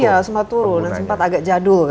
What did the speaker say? iya sempat turun dan sempat agak jadul gitu